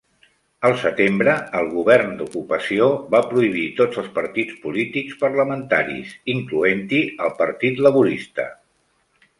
Al setembre, el govern d'ocupació va prohibir tots els partits polítics parlamentaris, incloent-hi el partit laborista.